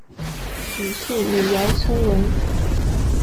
李迅李姚村人。